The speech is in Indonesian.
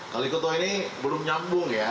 kalikuto ini belum nyambung ya